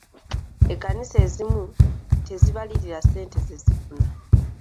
Ekkanisa ezimu tezibalirira ssente ze zifuna.